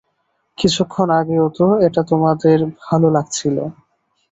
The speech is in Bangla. কিছুক্ষণ আগেও তো এটা তোমাদের ভালো লাগছিল।